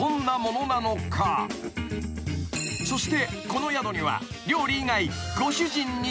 ［そしてこの宿には料理以外］